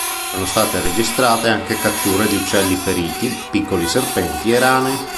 Sono state registrate anche catture di uccelli feriti, piccoli serpenti e rane.